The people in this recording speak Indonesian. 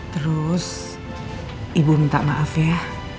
terus ibu minta maaf ya